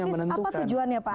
apa tujuannya pak anies